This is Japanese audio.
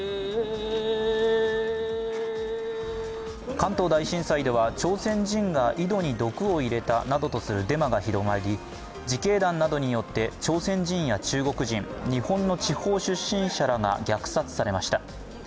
関東大震災では朝鮮人が井戸に毒を入れたなどとするデマが広がり自警団などによって朝鮮人や中国人、日本の地方出身者らが虐殺されました。